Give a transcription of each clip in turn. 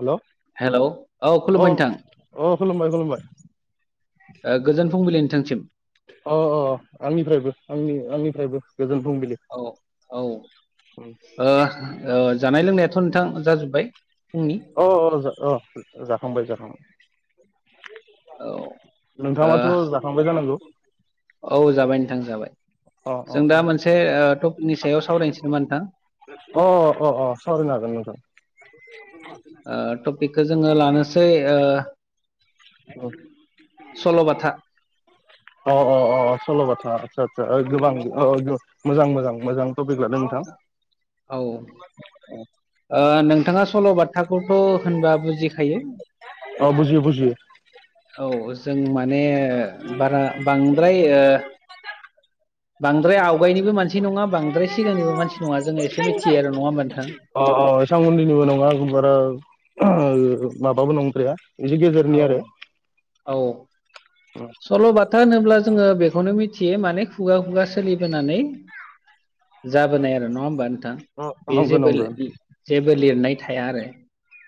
हेल' hello औ अ खुलुमबाय नोंथां अ खुलुमबाय खुलुमबाय ओ गोजोन फुंबिलि नोंथांसिम अह अह अह आंनिफ्रायबो आंनि आंनिफ्रायबो गोजोन फुंबिलि औ औ ओ ओ जानाय लोंनायाथ' नोंथां जाजोब्बाय फुंनि अ अ अ जाखांबाय जाखांबाय औ ओ नोंथाङाथ' जाखांबाय जानांगौ? औ जाबाय नोंथां जाबाय अ अ जों अ दा मोनसे ओ टपिकनि सायाव सावरायनोसै नामा नोंथां? अ अ अ सावररायनो हागोन नोंथां। ओ टपिकखौ जोङो लानोसै ओ सल'बाथा अ अ अ अ सल'बा था आसा आसा ओ गोबां मोजां मोजां मोजां टपिक लादों नोंथां औ ओ नोंथाङा सल'बा था खोथाखौथ' होनबा बुजिखायो अ बुजियो बुजियो औ जों मा माने बारा बांद्राय ओ बांद्राय आवगायनिबो मानसि नङा बांद्राय सिगांनिबो मानसि नङा जोङो एसे मिथियो आरो नङा होमबा नोंथां? अ अ एसां उननिबो नङा जों बारा ओ माबाबो नंद्राया बिदि गेजेरनि औ आरो [inaudible] था होनोब्ला जोङो बेखौनो मिथियो माने खुगा खुगा सोलिबोनानै जाबोनाय आरो नङा होमबा नों थां अ बे नंगौ जेबो नंगौ जेबो लिरनाय थाया आरो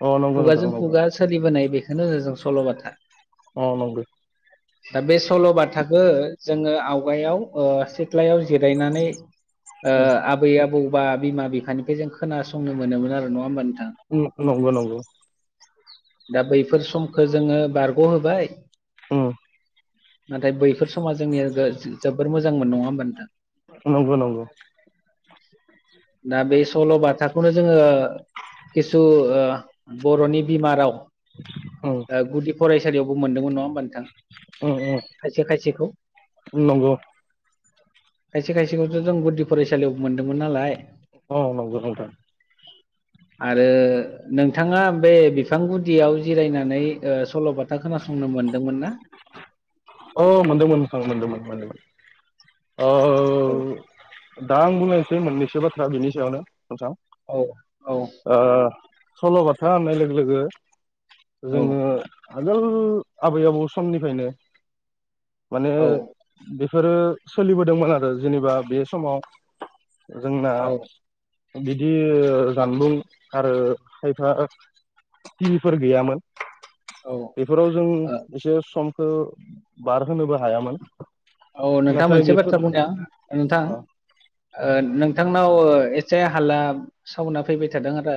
अ नंगौ नोंथां खुगाजों नंगौ खुगा सोलिबोनाय बेखौनो सल'बाथा अह नंगौ दा बे सल'बाथाखो जोङो आवगायाव ओ सिथ्लायाव जिरायनानै ओ आबै आबौ बा बिमा बिफानिफ्राय जों खोनासंनो मोनोमोन आरो नङा होमबाा नोंथां नंगौ नंगौ दा बैफोर समखो जोङो बारग' होबाय उम नाथाय बैफोर समा जोंनिया जोबोर मोजांमोन नङा होमब नोंथां नंगौ नंगौ [inaudible] [unintelligible] दा बे सल'बाथाखौनो जोङो खिसु बर'नि बिमाराव उम गुदि फरायसालियावबो मोनदोंमोन नङा होमबा नोंथां उ उ खायसे खायसेखौ नंगौ खायसे खायसेखौथ' जों गुदि फरायसालियाव मोनदोंमोन नालाय औ नंगौ नोंथां आरो नोंथाङा बे बिफां गुदियाव जिरायनानै ओ सल'बाथा खोथा खोनासंनो मोन्दोंमोन ना अ मोनदोंमोन नोथां मोनदोंमोन मोनदोंमोन औ ओ दा आं बुंलायनोसै मोननैसो बाथ्रा बेनि सायावनो नोंथां औ औ ओ सल'बाथा होननाय लोगो लोगो औ जोङो आगोल आबै आबौ समनिफ्रायनो माने औ बे बेफोरो सोलिबोदोंमोन आरो जेनेबा बे समाव जोंना औ बिदि जानबुं आरो खायफा टिभिफोर गैयामोन औ ओ बेफोराव जों एसे समखौ बारहोनोबो हायामोन औ नोंथाङा नाथाय मोनसे बेफोर बाथ्रा बुंनाया नोंथां अ ओ नों नोंथांनाव एसे हालला सावना फैबाय थादों आरो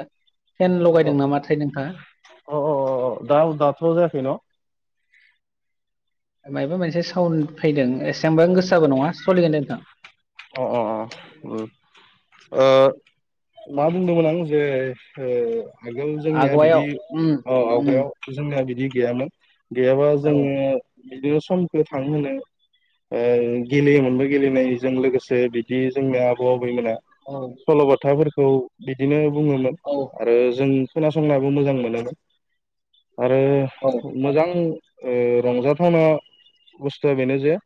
फेन अ लगायदों नामाथाय नोंथाङा अ अ दा दाथ' जायाखै न' मायबा मोनसे साउन्ड फैदों एसेबबा गोसाबो नङा सोलिगोन दे नोंथां अ अ अ ओ ओ मा बुंदोंमोन आं जे ओ आगोल जोंनिया आगुवायाव बिदि उम उम आवगायाव जोंनिया बिदि गैयामोन गैयाबा औ जोङो बिदिनो समखौ थां होनो गेलेयोमोनबो गेलेनायजों लोगोसे बिदि जोंनि आबौ आबैमोना औ सल'बाथाफोरखौ बिदिनो बुङोमोन औ आरो जों खोनासंनाबो मोजां मोनोमोन। आरो मोजां ओ रंजाथावना बुस्थुआ बेनो जे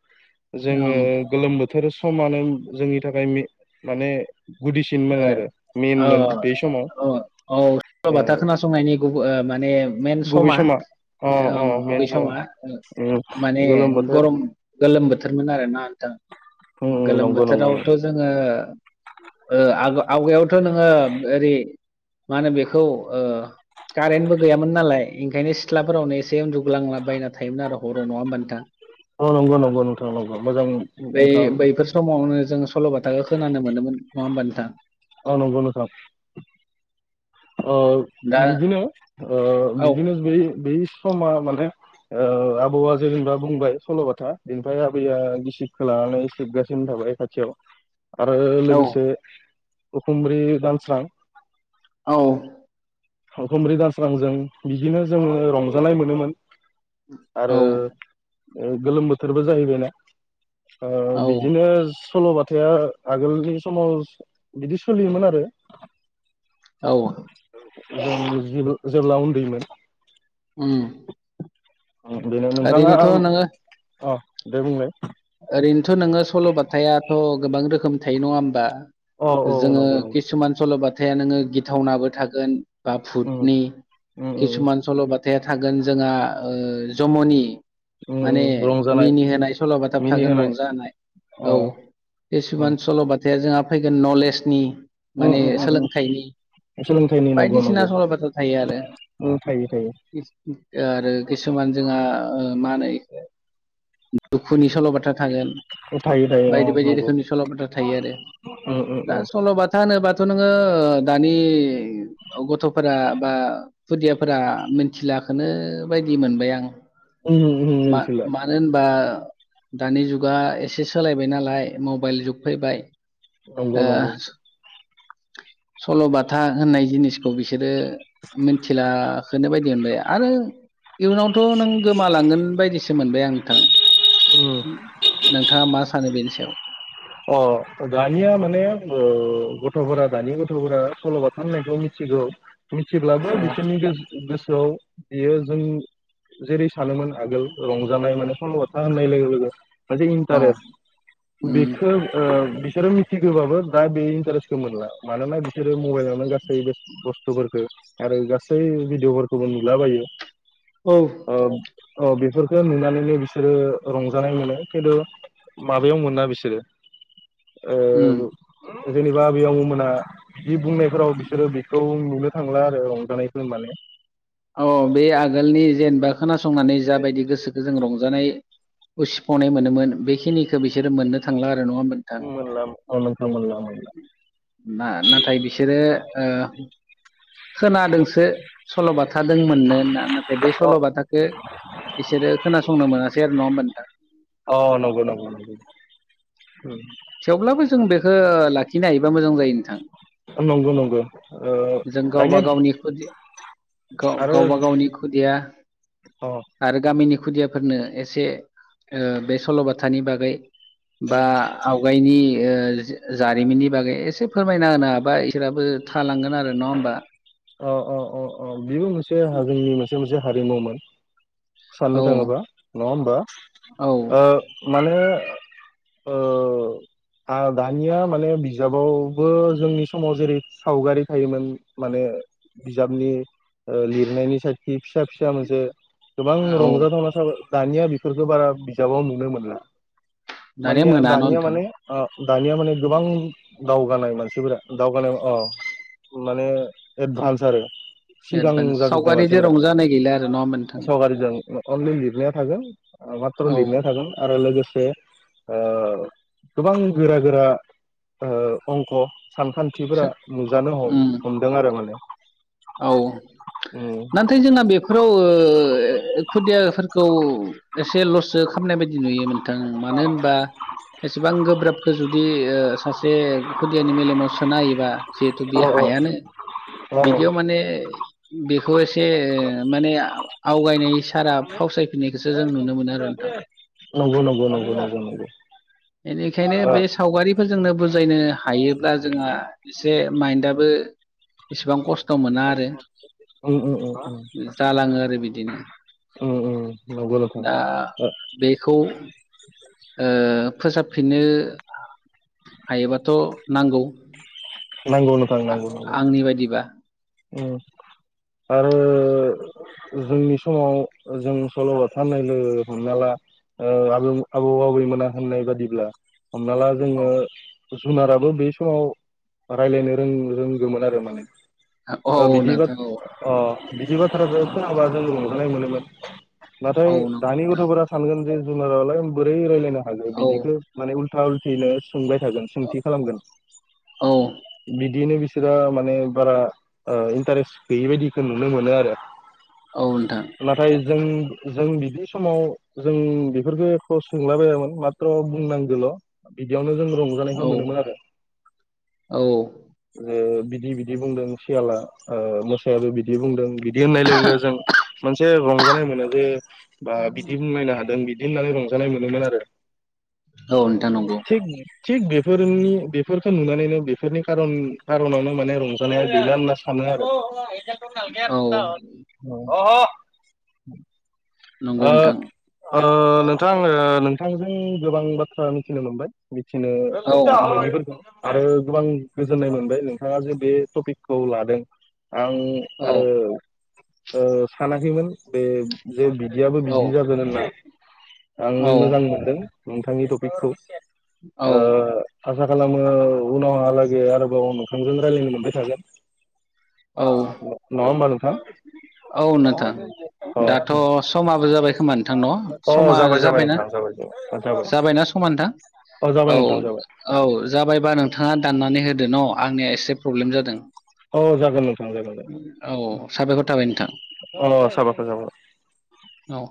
जोङो ओं गोलोम बोथोर समानो जोंनि थाखाय माने गुदिसिनमोन आरो ओ मेनमोन बे औ औ समाव ओ सल'बाथा खोनासंनायनि गुबै माने मेन समा अ अ ओं बबे मेन समा उम माने गोलोम बोथोर गरम गोलोम बोथोर मोन आरोना नोंथां उम गोलोम नंगौ नंगौ नंगौ बोथोरावथ' जोङो आवगायावथ' नोङो ओरै मा होनो बेखौ ओ कारेन्टबो गैयामोन नालाय ओंखायनो सिथ्लाफोरावनो एसे उन्दुग्लांलाबायायना थायोमोन आरो हराव नङा ओमबा नोंथां औ नंगौ नंगौ नोंथां नंगौ मोजां बे नोंथां बैफोर समावनो जों सल'बा थाखाखौ खोनानो मोनोमोन। नङा होनबा नोंथां ओ नंगौ नोंथां ओ दा बिदिनो ओ औ बिदिनो बै बै समा माने ओ आबौआ जेनेबा बुंबाय सल'बाथा बेनिफ्राय आबैया गिसिबखौ लानानै सिबगासिनो। खाथियाव आरो औ लोगोसे उखुंब्रि दानस्रां औ खुमब्रि दास्रांजों बिदिनो जोङो रंजानाय मोनोमोन। आरो गोलोम बोथोरबो जाहैबायना ओ औ बिदिनो सल'बथाया आगोलनि समाव बिदि सोलियोमोन आरो औ जों जेब्ला उन्दैमोन। उम बेनो नोंथाङा ओरैनोथ' नोङो अ दे बुंलाय ओरैनोथ' नोङो सल'बथायाथ' गोबां रोखोमनि थायो नङा होमबा अ औ जोङो नंगौ नंगौ किसुमान सल'बथाया नोङो गिथावनाबो थागोन बा उम भुटनि उम किसुमान सल'बथाया थागोन जोंहा जम'नि उम माने उम रंजानाय मिनि होनाय सल'बाथा थागोन मिनिहोनाय रंजा होनाय अ औ उम किसुमान सल'बथाया जोंहा फैगोन नलेजनि उम माने उम उम उम सोलोंथाइनि सोलोंथाइनि नंगौ बायदिसिना नंगौ सल' बाथा थायो आरो उम थायो थायो आरो किसुमान जोंहा ओ मा होनो इखो दुखुनि सल' बाथ्रा थागोन थायो थायो अ बायदि बायदि नंगौ रोखोमनि सल'बाथा थायो आरो उम उम दा उम सल' बाथा होनो बाथ थ' नोङो ओ दानि गथ'फोरा बा खुदियाफोरा मिथिला गाखोनो बायदि मोनबाय आं उम उम मिनथिला मा-मानो होनबा दानि जुगा एसे सोलायबाय नालाय मबाइल जुग फैबाय। नंगौ नंगौ। ओ सल'बाथा होननाय जिनिसखौ बिसोरो मिथिला खोनो बायदि मोनबाय आरो इयुनावथ' नों गोमालांगोन बायदिसो मोनबाय आं नोंथां। उम नोंथाङा मा सानो बेनि सायाव अ दानिया माने ओ गथ'फोरा दानि गथ'फोरा सल'बाथा होननायखौ मिथि गौ मिथिब्लाबो औ बिसोरनि गोस गोसोआव बियो जों जेरै सानोमोन आगोल रंजानाय माने सल' बाथा होननाय लोगो लोगो मोनसे औ इन्टारेस्ट उम बेखो ओ बिसोरो मिथिगोबाबो दा बे इन्टारेस्टखौ मोनला मानोना बिसोरो मबाइलावनो गासै बे बुस्थुफोरखो आरो गासै भिडिअ'फोरखौबो नुलाबायो औ ओ अ बेफोरफोरखो नुनानैनो बिसोरो रंजानाय मोनो। खिन्थु माबायाव मोना बिसोरो ओ उम जेनेबा बैयाव मोना जि बुंनायफोराव बिसोरो बे खौ नुनो थांला आरो रंजानायखौ माने औ बे आगोलनि जेनेबा खोनासंनानै जाबायदि गोसोखौ जों रंजानाय उसिफ'नाय मोनोमोन बेखिनिखौ बिसोरो मोननो थांला आर नङा होनबा नोंथां मोनला अ नोंथां मोनला मोनला मा नाथाय बिसोरो ओ खोनादोंसो सल' बाथा दों मोननो होनना नाथाय बे अ सल'बाथाखो इसोरो खोनासंनो मोनासै आरो नङा होनबा नोंथां। अ नंगौ नंगौ नंगौ। थेवब्लाबो जों बेखो लाखिनो हायोबा मोजां जायो नोंथां। नंगौ नंगौ ओ जों गावबा दायोन गावनि खुदि गाव गावबा गावनि खुदिया अ आरो गामिनि खुदियाफोरनो एसे ओ बे सल'बाथानि बागै बा बिनि ओ जो जारिमिननि बागै एसे फोरमायना होनो हाबा इसोराबो थालांगोन आरो नङा होमबा अ अ अ अ बेबो मोनसे हारिनि मोनसे मोनसे हारिमुमोन। साननो औ थाङोबा नङा होमबा औ ओ मानो ओ आ दानिया माने बिजाबावबो जोंनि समाव जेरै सावगारि थायोमोन मानो बिजाबनि ओ लिरनायनि साइखि फिसा फिसा मोनसे गोबां औ रंजाथावना था दानिया बेफोरफोरखो बारा बिजाबाव नुनो मोनला। दानिया मानिया मोना न' दानिया नोंथां माने ओ दानिया माने गोबां दावगानाय मानसिफोरा दावगानाय अ माने एडभान्स आरो सिगां एडभान्स जाजोबनाय सावगारिजों मानसिफोरा रंजानाय गैला आरो नङा होमबा नोंथां सावगारिजों अनलि लिरनाया थागोन ओ माथ्र' औ लिरनाया थागोन आरो लोगोस से ओ गोबां गोरा गोरा ओ अंक सो सानखान्थिफोरा नुजानो उम ह-हमदों आरो माने औ उम नाथाय जोंना बेफोराव ओ खुदियाफोरखौ एसे ल'सो खामनाय बायदि नुयोमोन नोंथां मानो होनबा एसेबां गोब्राबखौ जुदि ओ सासे खुदियानि मेलेमाव सोना होयोबा जिहेथु बे अ हाया। अ [unintelligible] बिदियाव माने बेखौ एसे ओ माने आवगायनाय सारा फावसाय फिननायखो सो जों नुनो मोनो आरो नोंथां। नंगौ नंगौ नंगौ नंगौ नंगौ। बेनिखायनो ओ बे सावगारिफोरजोंनो बुज जायनो हायोब्ला जोंहा एसे माइन्दआबो एसेबां खस्थ थ'' मोना आरो उम उम उम जालाङो आरो बिदिनो। उम उम नंगौ नोंथां दा ओ बेखौ ओ फोसाबफिननो हायोबाथ' नांगौ। नांगौ नोथां आ नांगौ नांगौ। आंनि बायदिबा उ आरो जोंनि समाव जों सल'बाथा होननाय लोगो लोगो हमना ला ओ आबौ आबौ आबैमोना होननाय बादिब्ला हमना ला औ जोङो जुनाराबो बे समाव रायलायनो रों रों ङोमोन आरो माने औ ओ बिदि नोंथां औ बाथ बिदि बाथ्राखो खोनाबा जों रं जाखांनाय मोनोमोन नाथाय औ नों दानि गथ'फोरा सानगोन जे जुनारालाय बोरै रायलायनो। आरो औ बिदिखो माने उल्था उल्थिनो सोंबाय थागोन सोंथि खालामगोन। औ बिदिनो बिसोरो माने बारा ओ इन्टारेस्ट गैयि बायदिखौ नुनो मोनो आरो। औ नोंथां। नाथाय जों जों बिदि समाव जों बेफोरफोरखौ खसोंलाबायामोन माथ्र' बुंनांगोल' बिदियावनो जोंङो रंजानायखौ औ मोनोमोन आरो औ जे बिदि बिदि बुंदों। सियाला ओ मोसाया बिबायदि बुंदों। बिदि होननाय लोगो लोगो जों मोनसे रंजानाय मोनो जे बा बिदि बुंलायनो हादों बि बिदि होननानै रंजानाय मोनोमोन आरो। औ नोंथां नंगौ। थिग थिग बेफोरनि बेफोरखौ नुनानैनो बेफोरनि कारन कारनावनो माने रंजानाया गैला होनना सानो आरो। औ [inaudible] नंगौ नोंथां। ओ नोंथां आङो नोंथांजों गोबां बाथ्रा मिथिनो मोनबाय। मिथिनो औ मोनैफोरखौ। आरो गोबां गोजोननाय मोनबाय नोंथाङा जे बे टपिकखौ लादों। आं औ आरो ओ सानाखैमोन बे जे बिदियाबो औ बिदि जागोन होनना। आं औ मोजां मोनदों नोंथांनि टपिकखौ। औ ओ आसा खालामो उनावहालागै आरोबाव नोंथांजों रायलायनो मोनबाय थागोन। औ नङा होमबा नोंथां? औ नोंथां दाथ' अ समाबो जाबाय खोमा नोंथां न अ समा जाबाय जाबाय जाबायना? नोंथां जाबाय जाबाय जाबाय जाबायना समा नोंथां? अ जाबाय औ नोंथां जाबाय औ जाबायबा नोंथाङा दाननानै हो दो न' आंनिया एसे प्रब्लेम जादों। औ जागोन नोंथां जागोन जागोन। औ साबायखर थाबाय नोंथां अ साबायखर [inaudible] औ